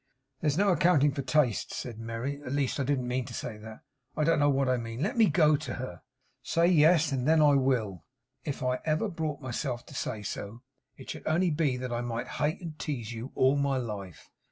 'There's no accounting for tastes,' said Merry; 'at least I didn't mean to say that. I don't know what I mean. Let me go to her.' 'Say "Yes," and then I will.' 'If I ever brought myself to say so, it should only be that I might hate and tease you all my life.